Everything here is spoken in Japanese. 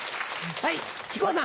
はい。